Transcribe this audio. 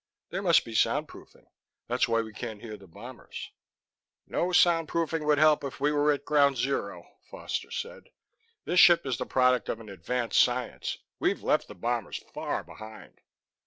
There must be soundproofing that's why we can't hear the bombers " "No soundproofing would help if we were at ground zero," Foster said. "This ship is the product of an advanced science. We've left the bombers far behind."